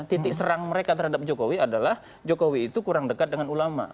titik serang mereka terhadap jokowi adalah jokowi itu kurang dekat dengan ulama